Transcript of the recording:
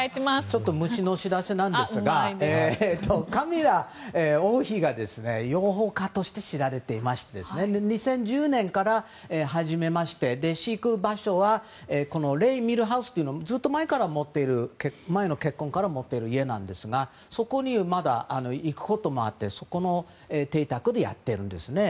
ちょっと虫の知らせなんですがカミラ王妃が養蜂家として知られており２０１０年から始めまして飼育場所はこのレイ・ミル・ハウスというずっと前の結婚から持っている家なんですがまだ行くこともあってその邸宅でやっているんですね。